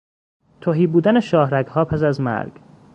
تهی بودن شاهرگها پس از مرگ